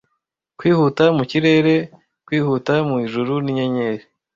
Kwihuta mu kirere, kwihuta mu ijuru n'inyenyeri,